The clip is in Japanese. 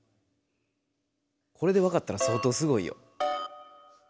これで分かったら相当すごいよ。